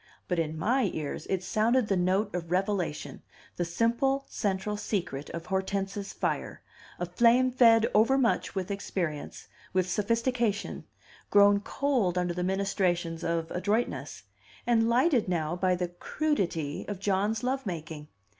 But in my ears it sounded the note of revelation, the simple central secret of Hortense's fire, a flame fed overmuch with experience, with sophistication, grown cold under the ministrations of adroitness, and lighted now by the "crudity" of John's love making.